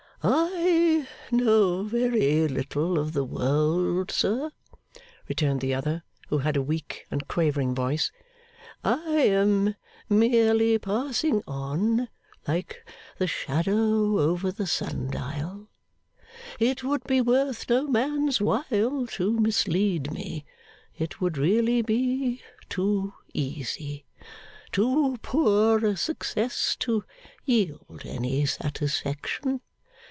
'I know very little of the world, sir,' returned the other, who had a weak and quavering voice. 'I am merely passing on, like the shadow over the sun dial. It would be worth no man's while to mislead me; it would really be too easy too poor a success, to yield any satisfaction.